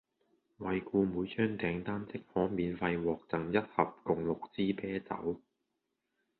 惠顧每張訂單即可免費獲贈一盒共六支啤酒